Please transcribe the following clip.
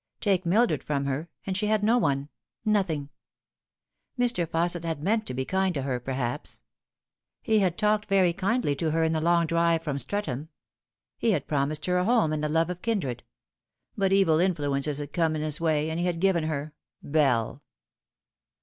Take Mildred from her, and she had no one nothing. Mr. Fausset had meant to be kind to her, perhaps. He had talked very kindly to her in the long drive from Streatham. He had promised her a home and the love of kindred ; but evil influences had come in his way, and he had given her Bell.